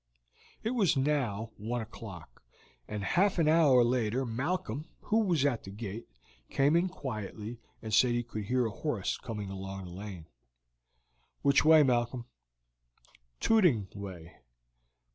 It was now one o'clock, and half an hour later Malcolm, who was at the gate, came in quietly and said he could hear a horse coming along the lane. "Which way, Malcolm?" "Tooting way."